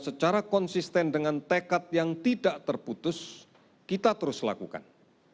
secara konsisten dengan tekad yang tidak terputus kita terus lakukan